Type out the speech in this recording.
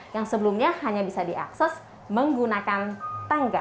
yang sebelumnya hanya bisa diakses menggunakan tangga